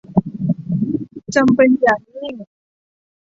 จำเป็นอย่างยิ่ง